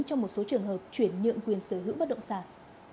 trong một số trường hợp chuyển nhượng quyền sở hữu bất động sản